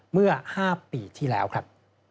เมื่อ๕ปีที่แล้วครับ